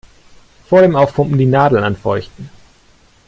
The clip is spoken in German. Vor dem Aufpumpen die Nadel anfeuchten.